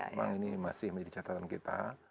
memang ini masih menjadi catatan kita